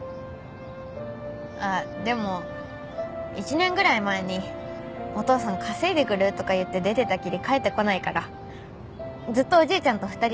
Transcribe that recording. あっでも１年ぐらい前にお父さん稼いでくるとか言って出てったきり帰ってこないからずっとおじいちゃんと２人でした。